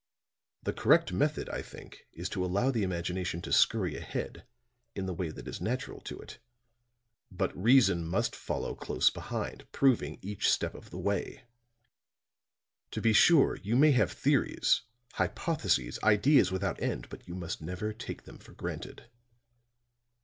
The correct method, I think, is to allow the imagination to scurry ahead in the way that is natural to it; but reason must follow close behind, proving each step of the way. To be sure, you may have theories, hypotheses, ideas without end, but you must never take them for granted.